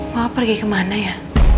mama pergi kemana ya